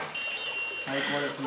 最高ですね。